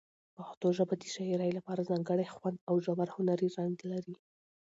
پښتو ژبه د شاعرۍ لپاره ځانګړی خوند او ژور هنري رنګ لري.